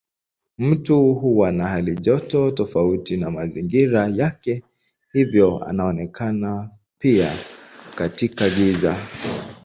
Mtu huwa na halijoto tofauti na mazingira yake hivyo anaonekana pia katika giza.